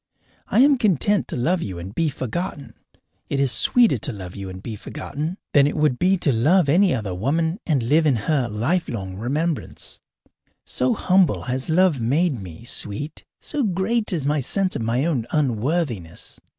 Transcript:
I am content to love you and be forgotten. It is sweeter to love you and be forgotten than it would be to love any other woman and live in her lifelong remembrance: so humble has love made me, sweet, so great is my sense of my own unworthiness.